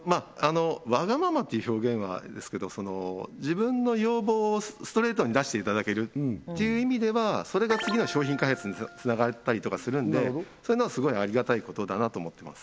ワガママっていう表現はあれですけど自分の要望をストレートに出していただけるという意味ではそれが次の商品開発につながったりとかするんでそういうのはすごいありがたいことだなと思ってます